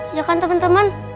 iya kan temen temen